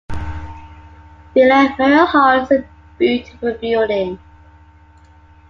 Villa Maria hall is a beautiful building.